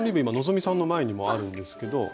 今希さんの前にもあるんですけど。